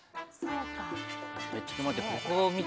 ちょっと待って、ここ。